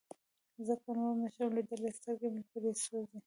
ځکه نور نشم ليدلى سترګې مې پرې سوزي.